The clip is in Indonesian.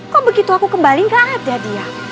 kok begitu aku kembali gak ada dia